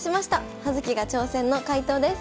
「葉月が挑戦！」の解答です。